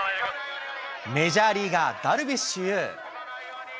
メジャーリーガー、ダルビッシュ有。